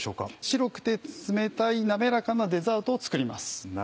白くて冷たい滑らかなデザートを作ります。